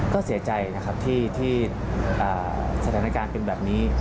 ก็เสียใจนะครับที่สถานการณ์เป็นแบบนี้